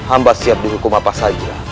ambas siap dihukum apa saja